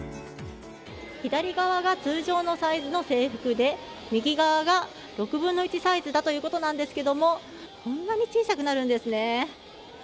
左側が通常のサイズの制服で右側が、６分の１サイズだということなんですけどこんなに小さくなるんですね。